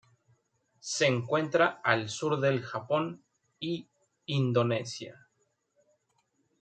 Se encuentra al sur del Japón y Indonesia.